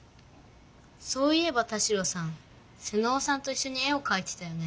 そういえば田代さん妹尾さんといっしょに絵をかいてたよね？